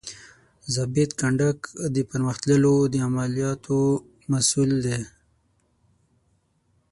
ضابط کنډک د پرمخ تللو د عملیاتو مسؤول دی.